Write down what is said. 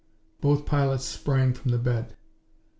Both pilots sprang from the bed.